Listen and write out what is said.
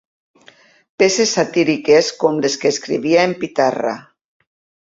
Peces satíriques com les que escrivia en Pitarra.